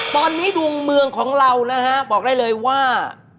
ตอนนี้ดวงเมืองของเรานะฮะบอกได้เลยว่า